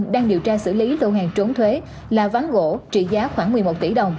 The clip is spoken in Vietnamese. đang điều tra xử lý lô hàng trốn thuế là ván gỗ trị giá khoảng một mươi một tỷ đồng